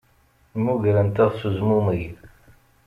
Mmugrent-aɣ s uzmumeg.